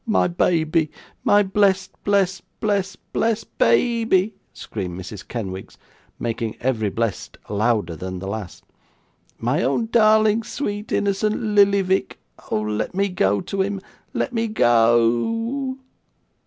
'My baby, my blessed, blessed, blessed, blessed baby!' screamed Mrs Kenwigs, making every blessed louder than the last. 'My own darling, sweet, innocent Lillyvick Oh let me go to him. Let me go o o o!